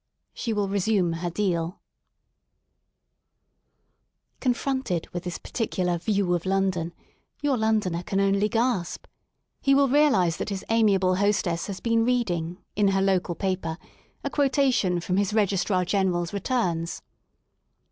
She will resume her deaL Confronted with this particular View of London " your Londoner can only gasp* He will realise that his amiable hostess has been reading, in her local paper, a quotation from his Registrar General's returns.